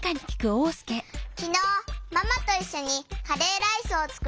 「きのうママといっしょにカレーライスをつくりました。